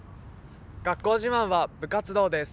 学校自慢は部活動です。